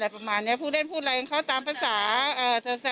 เขาแต่งตัวเก่งอยู่นะแต่งตัวเปรี้ยวเลยแหละ